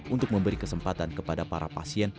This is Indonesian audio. untuk memberi kesempatan kepada para pasien